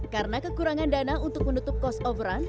karena kekurangan dana untuk menutup cost overrun